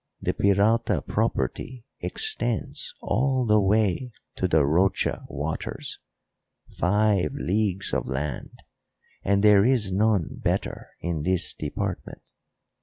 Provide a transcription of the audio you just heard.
The Peralta property extends all the way to the Rocha waters; five leagues of land, and there is none better in this department.